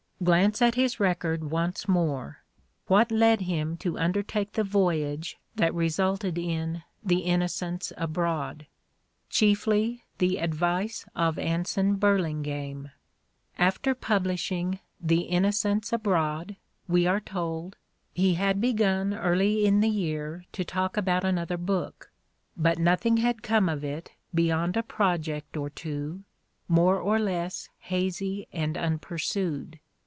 Glance at his record once more. "What led him to undertake the voyage that resulted in "The Innocents Abroad"? Chiefly the advice of Anson Burlingame. After publishing "The Innocents Abroad," we are told, "he had begun early in the year to talk about another book, but nothing had come of it beyond a project or t wo, more or less hazy and unpursued."